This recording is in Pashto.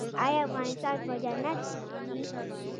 آیا افغانستان به جنت شي؟